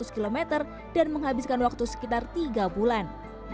dua enam ratus kilometer dan menghabiskan waktu sekitar tiga bulan